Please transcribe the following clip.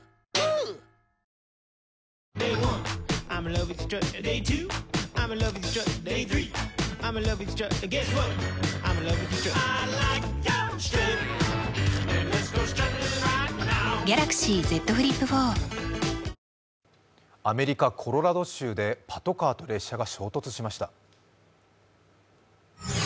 アメリカ・コロラド州でパトカーと列車が衝突しました。